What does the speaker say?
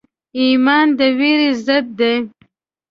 ایمان د ویرې ضد دی.